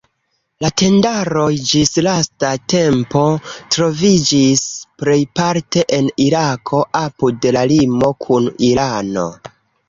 La tendaroj ĝis lasta tempo troviĝis plejparte en Irako, apud la limo kun Irano.